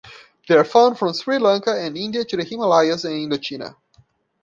They are found from Sri Lanka and India to the Himalayas, and Indochina.